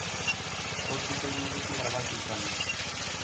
Hortik hain urruti grabatu izana.